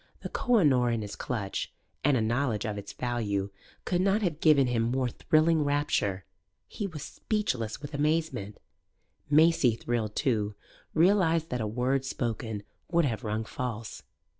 The Koh i Noor' in his clutch (and a knowledge of its value) could not have given him more thrilling rapture. He was speechless with amazement; Maisie, thrilled too, realized that a word spoken would have rung false.